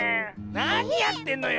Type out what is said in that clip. なにやってんのよ！